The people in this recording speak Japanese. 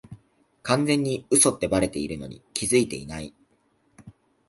完全に嘘ってバレてるのに気づいてない